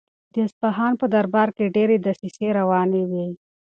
د اصفهان په دربار کې ډېرې دسیسې روانې وې.